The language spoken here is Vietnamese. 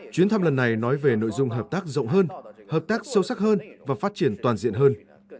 chuyến thăm lần này nói về nội dung hợp tác rộng hơn hợp tác sâu sắc hơn và phát triển toàn diện hơn